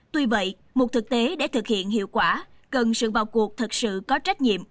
tuy vậy một thực tế để thực hiện hiệu quả cần sự vào cuộc thật sự có trách nhiệm